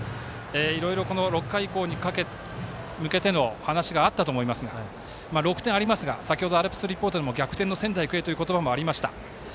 いろいろ６回以降に向けての話があったと思いますが６点ありますがアルプスリポートで逆転の仙台育英という話がありました。